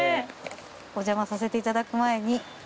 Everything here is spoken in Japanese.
おじゃまさせていただく前に。